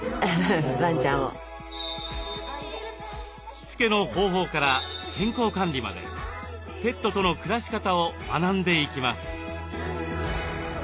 しつけの方法から健康管理までペットとの暮らし方を学んでいきます。